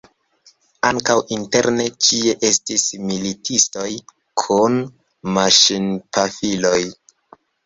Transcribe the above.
Ankaŭ interne ĉie estis militistoj kun maŝinpafiloj.